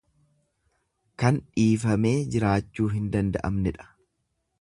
Kan dhiifamee jiraachuu hin danda'amnedha.